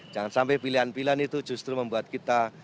jangan sampai pilihan pilihan itu justru membuat kita